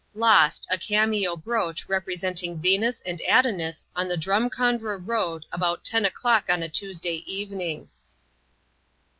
Lost a cameo brooch representing Venus and Adonis on the Drumcondra Road about 10 o'clock on Tuesday evening.